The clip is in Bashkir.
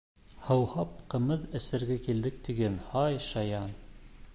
— Һыуһап, ҡымыҙ эсергә килдек тиген, һай, шаян!..